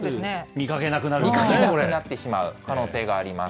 見かけなくなってしまう可能性があります。